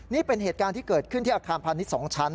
นี่เป็นเหตุการณ์ที่เกิดขึ้นที่อาคารพาณิชย์๒ชั้น